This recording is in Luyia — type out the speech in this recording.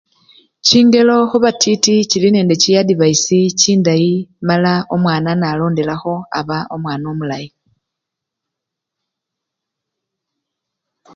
Chingelo khubatiti chili nende chi advice chindayi mala omwana nga walondelelakho aba omwana omulayi.